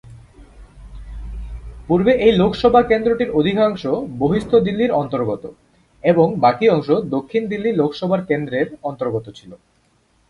পূর্বে এই লোকসভা কেন্দ্রটির অধিকাংশ বহিঃস্থ দিল্লির অন্তর্গত এবং বাকি অংশ দক্ষিণ দিল্লি লোকসভা কেন্দ্রের অন্তর্গত ছিল।